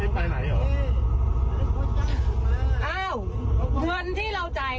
นิวอัลที่เราใจค่าลูกรถนี่คือค่าจ้างคน